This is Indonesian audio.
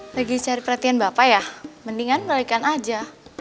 lagi cari perhatian bapak ya mendingan balikkan aja